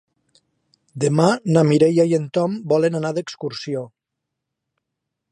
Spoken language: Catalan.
Demà na Mireia i en Tom volen anar d'excursió.